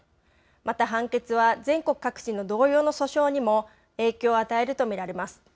また、判決は全国各地の同様の訴訟にも影響を与えると見られます。